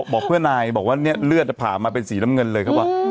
บอกเพื่อนนายบอกว่าเนี่ยเลือดผ่ามาเป็นสีน้ำเงินเลยเขาบอก